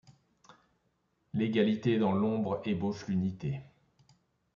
L’égalité dans l’ombre ébauche l’unité ;